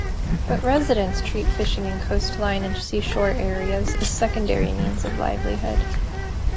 But residents treat fishing in coastline and seashore areas as secondary means of livelihood.